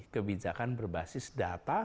kebijakan berbasis data